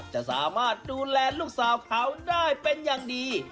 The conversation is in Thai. จะสามารถดูแลลูกสาวเขาได้เป็นอย่างดี